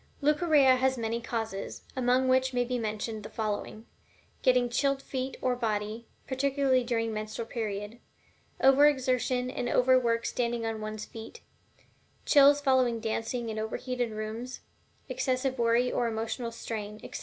Leucorrhea has many causes, among which may be mentioned the following: getting chilled feet or body, particularly during the menstrual period; over exertion and overwork standing on one's feet; chills following dancing in overheated rooms; excessive worry or emotional strain, etc.